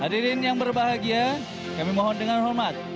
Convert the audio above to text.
hadirin yang berbahagia kami mohon dengan hormat